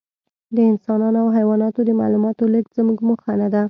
د انسانانو او حیواناتو د معلوماتو لېږد زموږ موخه نهده.